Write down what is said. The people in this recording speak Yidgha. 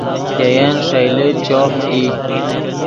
ګئن ݰئیلے چوف ای